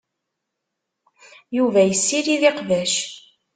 Yuba yessirid iqbac.